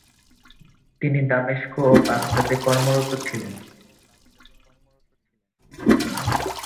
তিনি দামেস্ক ও বাগদাদে কর্মরত ছিলেন।